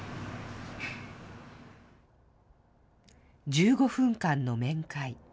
１５分間の面会。